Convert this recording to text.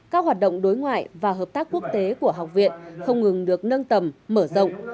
các hoạt động đối ngoại và hợp tác quốc tế của học viện không ngừng được nâng tầm mở rộng